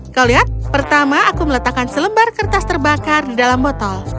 kau lihat pertama aku meletakkan selembar kertas terbakar di dalam botol